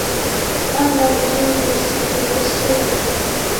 Panga uzuri usijekosea.